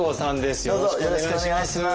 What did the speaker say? よろしくお願いします。